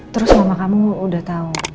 terus mama kamu udah tahu